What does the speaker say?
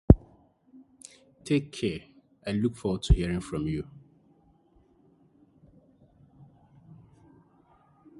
Take care and I look forward to hearing from you soon.